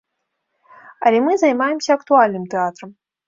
Але мы займаемся актуальным тэатрам.